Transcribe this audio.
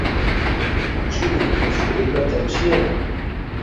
Çi bû, pirsgirêka te çi ye?